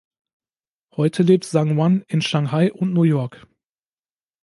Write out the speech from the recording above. Heute lebt Zhang Huan in Shanghai und New York.